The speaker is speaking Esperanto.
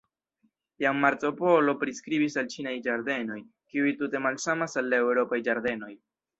Jam Marco Polo priskribis la ĉinaj ĝardenoj, kiuj tute malsamas al la eŭropaj ĝardenoj.